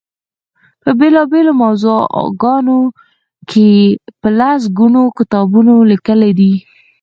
په بېلا بېلو موضوعګانو کې یې په لس ګونو کتابونه لیکلي دي.